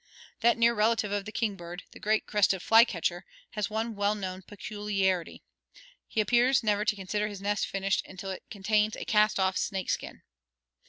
That near relative of the king bird, the great crested fly catcher, has one well known peculiarity: he appears never to consider his nest finished until it contains a cast off snake skin.